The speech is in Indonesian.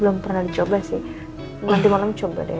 belum pernah dicoba sih nanti malam coba deh